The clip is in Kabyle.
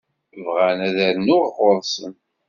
Bɣan ad rnuɣ ɣur-sen.